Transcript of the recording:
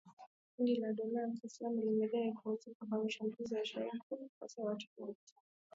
Kundi la dola ya Kiislamu limedai kuhusika na shambulizi la jamhuri ya kidemokrasia ya Kongo lililouwa watu kumi na tano